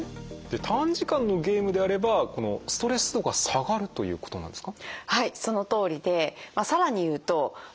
短時間のゲームであればこのストレス度が下がるということなんですか？